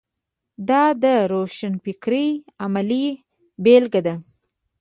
دا د روښانفکرۍ عملي بېلګه ده.